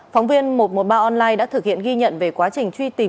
phóng viên một trăm một mươi ba online đã thực hiện ghi nhận về quá trình truy tìm